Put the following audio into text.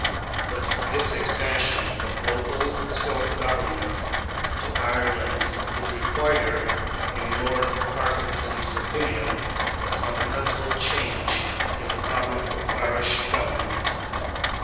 But this extension of local self government to Ireland would require, in Lord Hartington's opinion, a fundamental change in the fabric of Irish Government.